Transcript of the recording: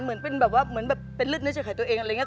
เหมือนเป็นแบบว่าเหมือนแบบเป็นเลือดเนื้อเฉยตัวเองอะไรอย่างนี้